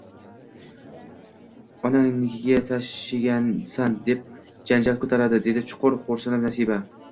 Onangnikiga tashigansan deb janjal ko`taradi, dedi chuqur xo`rsinib Nasiba